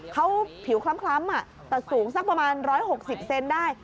เขาผิวคล้ำแต่สูงสักประมาณ๑๖๐เซนได้